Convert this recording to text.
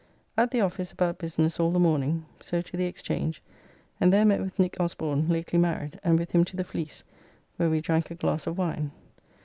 At the office about business all the morning, so to the Exchange, and there met with Nick Osborne lately married, and with him to the Fleece, where we drank a glass of wine.